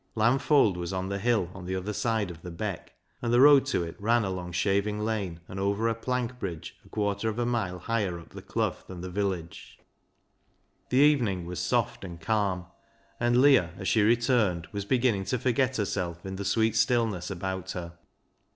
Lamb Fold was on the hill on the other side of the Beck, and the road to it ran along Shaving Lane, and over a plank bridge a quarter of a mile higher up the Clough than the village. The evening was soft and calm, and Leah, as she returned, was beginning to forget herself in the sweet stillness about her.